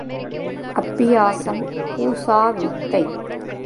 அப்பியாசம் கூசா வித்தை.